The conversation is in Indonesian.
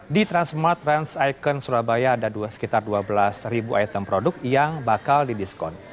di transmart trans icon surabaya ada sekitar dua belas item produk yang bakal didiskon